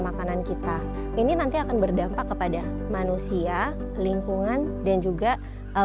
makanan kita ini nanti akan berdampak kepada manusia lingkungan dan juga